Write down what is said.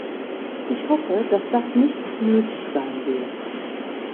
Ich hoffe, dass das nicht nötig sein wird.